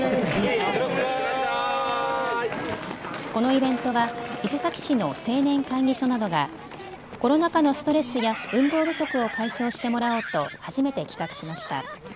このイベントは、伊勢崎市の青年会議所などがコロナ禍のストレスや運動不足を解消してもらおうと初めて企画しました。